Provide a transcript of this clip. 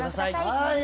はい。